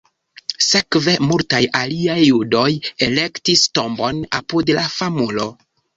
Sekve multaj aliaj judoj elektis tombon apud la famulo.